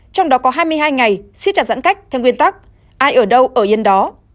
trong đó có hai mươi hai ngày xiết chặt giãn cách theo nguyên tắc ai ở đâu ở yên đó